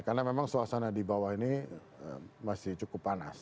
karena memang suasana di bawah ini masih cukup panas